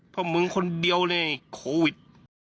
เพราะมึงคนเดียวเลยโควิด